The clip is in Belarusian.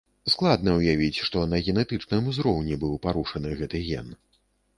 Складна ўявіць, што на генетычным узроўні быў парушаны гэты ген.